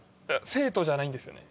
生徒じゃないんですよね。